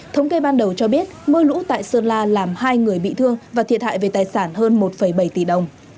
thống kê ban đầu cho biết mưa lũ tại sơn la làm hai người bị thương và thiệt hại về tài sản hơn một bảy tỷ đồng